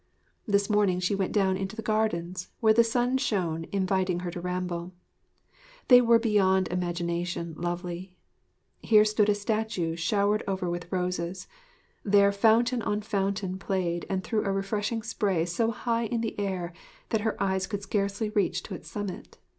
This morning she went down into the gardens, where the sun shone inviting her to ramble. They were beyond imagination lovely. Here stood a statue showered over with roses; there fountain on fountain played and threw a refreshing spray so high in the air that her eyes could scarcely reach to its summit.